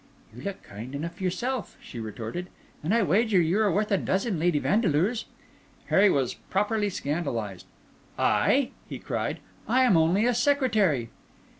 "You look kind enough yourself," she retorted; "and I wager you are worth a dozen Lady Vandeleurs." Harry was properly scandalised. "I!" he cried. "I am only a secretary!"